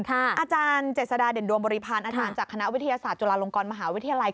อาจารย์เจษฎาเด่นดวงบริพาณอาจารย์จากคณะวิทยาศาสตร์จุฬาลงกรมหาวิทยาลัย